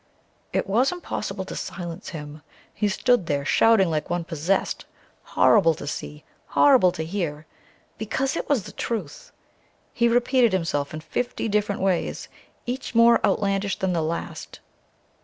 It was impossible to silence him. He stood there shouting like one possessed, horrible to see, horrible to hear because it was the truth. He repeated himself in fifty different ways, each more outlandish than the last.